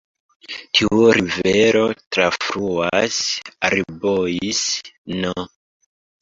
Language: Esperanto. Tiu rivero trafluas Arbois-n.